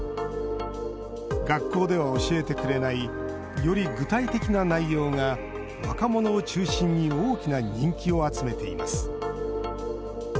学校では教えてくれないより具体的な内容が若者を中心に大きな人気を集めています